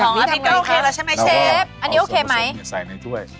อ๋ออภิตก็โอเคแล้วใช่ไหมเชฟอันนี้โอเคไหมเราว่าส่วนผสมเนี่ยใส่ในด้วย